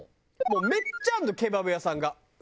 もうめっちゃあるのケバブ屋さんが。